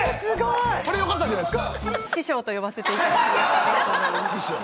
これよかったんじゃないですか？